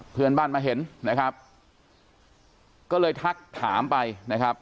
เพื่อนบ้านมาเห็นนะครับก็เลยทักถามไปนะครับ